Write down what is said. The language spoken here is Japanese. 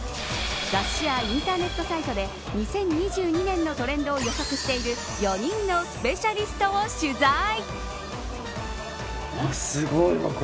雑誌やインターネットサイトで２０２２年のトレンドを予測している４人のスペシャリストを取材。